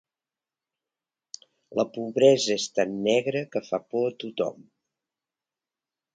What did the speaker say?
La pobresa és tan negra que fa por a tothom.